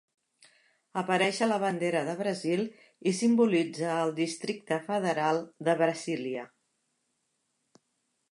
Apareix a la bandera de Brasil i simbolitza el districte federal de Brasília.